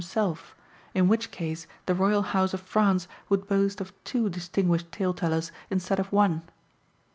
himself, in which case the royal house of France would boast of two distinguished taletellers instead of one.